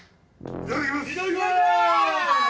いただきます！